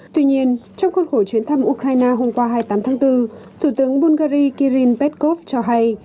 tuy nhiên trong khuôn khổ chuyến thăm ukraine hôm qua hai mươi tám tháng bốn thủ tướng bungary kirill petkov cho hay